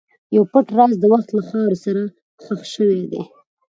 یو پټ راز د وخت له خاورې سره ښخ شوی دی.